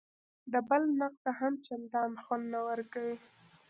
د بل نقد هم چندان خوند نه ورکوي.